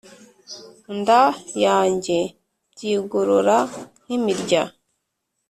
nda yanjye byigorora nk imirya